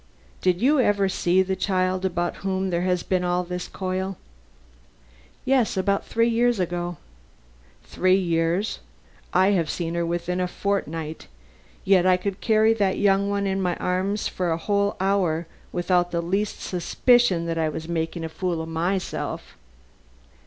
Did you ever see the child about whom there has been all this coil?" "Yes, about three years ago." "Three years! I have seen her within a fortnight; yet I could carry that young one in my arms for a whole hour without the least suspicion that I was making a fool of myself."